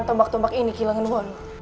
tombak tombak ini kilangan waduh